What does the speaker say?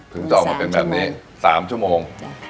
ถึงจะออกมาเป็นแบบนี้๓ชั่วโมง